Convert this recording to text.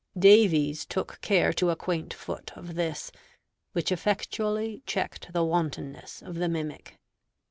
Davies took care to acquaint Foote of this, which effectually checked the wantonness of the mimic.